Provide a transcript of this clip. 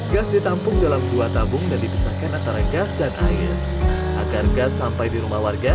gas ditampung dalam dua tabung dan dipisahkan antara gas dan air agar gas sampai di rumah warga